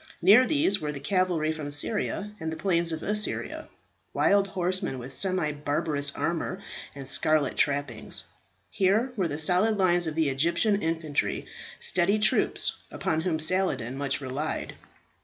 Near these were the cavalry from Syria and the plains of Assyria wild horsemen with semi barbarous armour and scarlet trappings. Here were the solid lines of the Egyptian infantry, steady troops, upon whom Saladin much relied.